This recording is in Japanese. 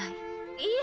いえ。